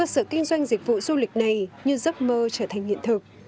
sở kinh doanh dịch vụ du lịch này như giấc mơ trở thành hiện thực